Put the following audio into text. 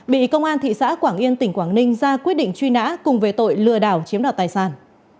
bị công an thị xã quảng yên tỉnh quảng ninh ra quyết định truy nã cùng về tội lừa đảo chiếm đoạt tài sản